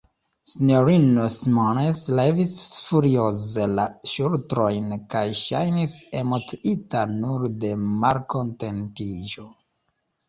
S-ino Simons levis furioze la ŝultrojn, kaj ŝajnis emociita nur de malkontentiĝo.